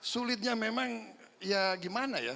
sulitnya memang ya gimana ya